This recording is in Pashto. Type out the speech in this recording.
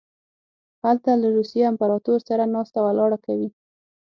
هلته له روسیې امپراطور سره ناسته ولاړه کوي.